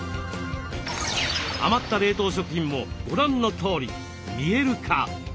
余った冷凍食品もご覧のとおり見える化。